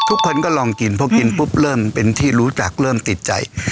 ทุกคนก็ลองกินเพราะกินปุ๊บเริ่มเป็นที่รู้จักเริ่มติดใจ